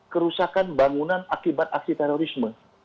kerusakan bangunan akibat aksi terorisme